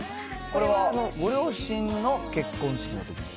これはご両親の結婚式のときの？